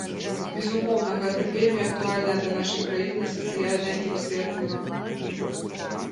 Безумоўна, гэта вельмі актуальная для нашай краіны сацыяльная ініцыятыва.